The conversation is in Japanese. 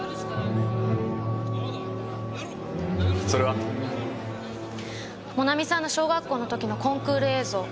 それは？もなみさんの小学校の時のコンクール映像。